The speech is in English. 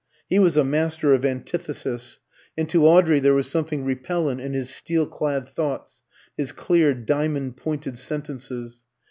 He was a master of antithesis, and to Audrey there was something repellent in his steel clad thoughts, his clear diamond pointed sentences.